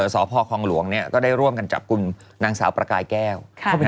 สพครองหลวงเนี่ยก็ได้ร่วมกันจากคุณนางสาวประกายแก้ว